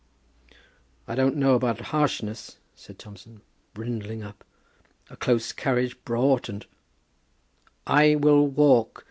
"I don't know about harshness," said Thompson, brindling up. "A close carriage brought, and " "I will walk.